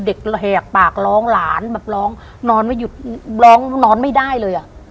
กระแหกปากร้องหลานแบบร้องนอนไม่หยุดร้องนอนไม่ได้เลยอ่ะ